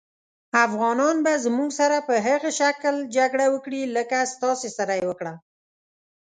افغانان به زموږ سره په هغه شکل جګړه وکړي لکه ستاسې سره یې وکړه.